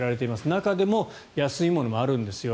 中でも安いものはあるんですよ。